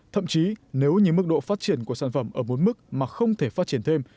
thậm chí nếu như mức độ phát triển của sản phẩm ở bốn mức mà không thể phát triển thêm